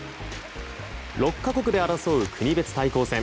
６か国で争う国別対抗戦。